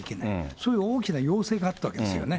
そういう大きな要請があったわけですよね。